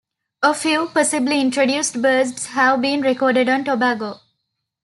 A few, possibly introduced birds have been recorded on Tobago.